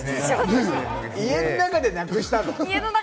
家の中でなくしたの？